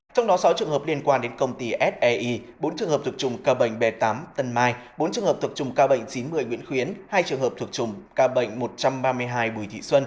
trong đó sáu trường hợp liên quan đến công ty sei bốn trường hợp thực trùng ca bệnh b tám tân mai bốn trường hợp thực trùng ca bệnh chín mươi nguyễn khuyến hai trường hợp thực trùng ca bệnh một trăm ba mươi hai bùi thị xuân